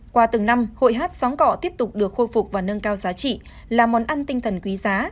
qua từng năm hội hát sáng cọ tiếp tục được khôi phục và nâng cao giá trị là món ăn tinh thần quý giá